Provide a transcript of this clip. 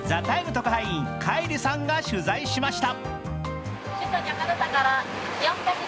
特派員カイリさんが取材しました。